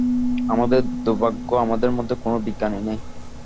আমাদের দুর্ভাগ্য আমাদের মধ্যে কোনো বিজ্ঞানী নেই।